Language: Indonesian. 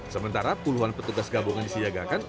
sementara puluhan petugas gabungan disiagakan